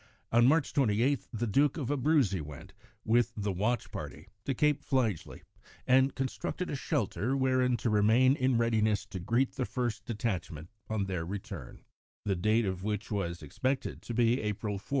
On March 28 the Duke of Abruzzi went, with the watch party, to Cape Fligely, and constructed a shelter wherein to remain in readiness to greet the first detachment on their return, the date of which was expected to be April 4.